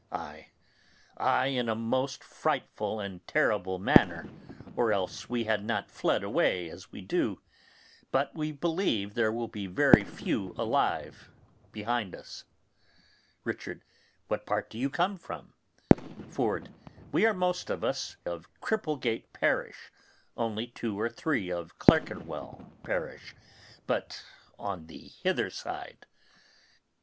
Ay, ay, in a most frightful and terrible manner, or else we had not fled away as we do; but we believe there will be very few left alive behind us. Richard. What part do you come from? Ford. We are most of us of Cripplegate parish, only two or three of Clerkenwell parish, but on the hither side.